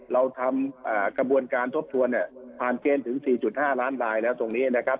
เราทำกระบวนการทบทวนเนี่ยผ่านเกณฑ์ถึง๔๕ล้านรายแล้วตรงนี้นะครับ